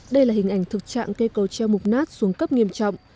đây là hình ảnh thực trạng cây cầu treo mục nát xuống cấp nghiêm trọng